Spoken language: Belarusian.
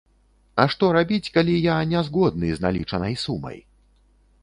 А што рабіць, калі я не згодны з налічанай сумай?